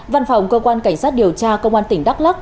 văn phòng cơ quan cảnh sát điều tra công an tỉnh đắk lắc